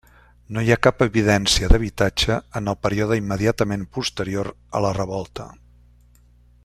No hi ha cap evidència d'habitatge en el període immediatament posterior a la Revolta.